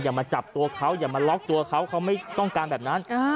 มาจับตัวเขาอย่ามาล็อกตัวเขาเขาไม่ต้องการแบบนั้น